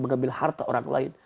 mengambil harta orang lain